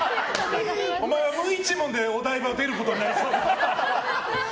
お前は無一文でお台場を出ることになりそうだ。